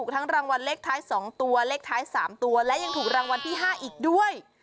ทั้งรางวัลเล็กท้ายสองตัวเล็กท้ายสามตัวและยังถูกรางวัลพี่ห้าอีกด้วย